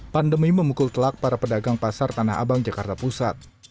pandemi memukul telak para pedagang pasar tanah abang jakarta pusat